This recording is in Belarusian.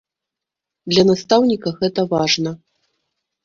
Для настаўніка гэта важна.